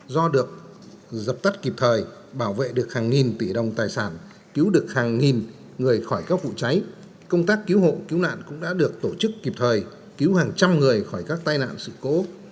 do được dập tắt kịp thời bảo vệ được hàng nghìn tỷ đồng tài sản cứu được hàng nghìn người khỏi các vụ cháy công tác cứu hộ cứu nạn cũng đã được tổ chức kịp thời cứu hàng trăm người khỏi các tai nạn sự cố